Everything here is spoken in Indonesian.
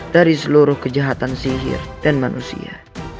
dari seluruh kejahatan sihir dan manusia